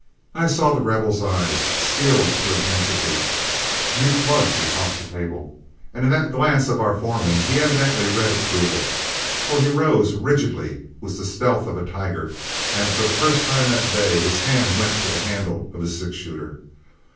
I saw The Rebel's eyes, steeled to intensity, meet Flood's across the table, and in that glance of our foreman he evidently read approval, for he rose rigidly with the stealth of a tiger, and for the first time that day his hand went to the handle of his six shooter.